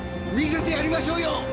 見せてやりましょうよ。